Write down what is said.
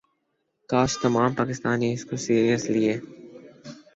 کاش تمام پاکستانی اس کو سیرس لیے